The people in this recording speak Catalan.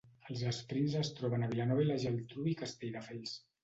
Els esprints es troben a Vilanova i la Geltrú i Castelldefels.